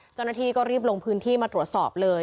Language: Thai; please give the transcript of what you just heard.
เจ้าหน้าที่ก็รีบลงพื้นที่มาตรวจสอบเลย